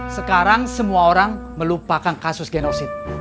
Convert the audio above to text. sekarang semua orang melupakan kasus genosit